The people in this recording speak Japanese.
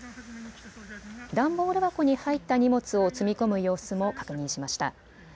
段ボール箱に入った荷物を積み込む様子も確認しました。